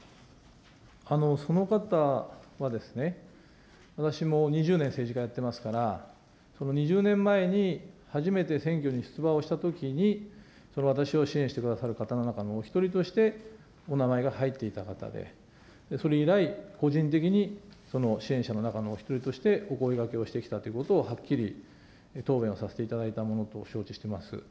その方は私も２０年、政治家やってますから、２０年前に初めて選挙に出馬をしたときに、私を支援してくださる方のお一人としてお名前が入っていた方で、それ以来、個人的に支援者の中のお一人としてお声がけをしてきたということをはっきり答弁をさせていただいたものと承知をしております。